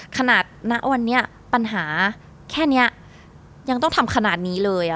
ขนาดณวันเนี้ยปัญหาแค่เนี้ยยังต้องทำขนาดนี้เลยอ่ะ